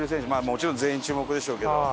もちろん全員注目でしょうけど。